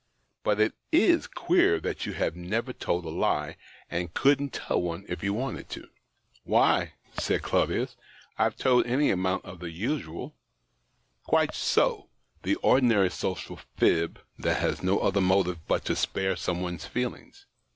But it is queer that you have never told a lie, and couldn't tell one if you wanted to." 54 THE OCTAVE OF CLAUDIUS, " Why," said Claudius, " I've told any amount of the usual "" Quite so— the ordinary social fib, that has no other motive but to spare somebody's feelings.